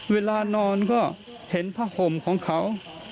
เวลานอนก็เห็นผ้าห่มของเขา